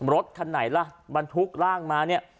รถคันไหนล่ะบรรทุกร่างมาเนี่ย